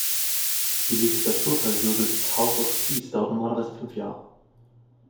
Die Legislaturperiode des "House of Keys" dauert normalerweise fünf Jahre.